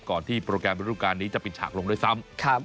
ก่อนที่โปรแกรมรูปการณ์นี้จะปิดฉากลงโดยซ้ำ